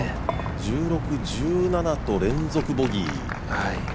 １６、１７と連続ボギー。